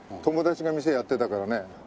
友達が店やってたからね。